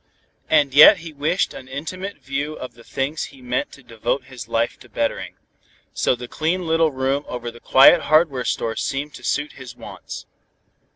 And yet he wished an intimate view of the things he meant to devote his life to bettering. So the clean little room over the quiet hardware store seemed to suit his wants.